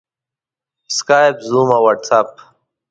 سکایپ، زوم او واټساپ